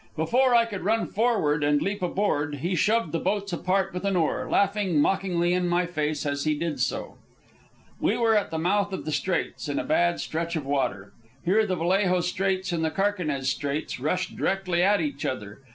Before I could run forward and leap aboard, he shoved the boats apart with an oar, laughing mockingly in my face as he did so. We were now at the mouth of the Straits, in a bad stretch of water. Here the Vallejo Straits and the Carquinez Straits rushed directly at each other.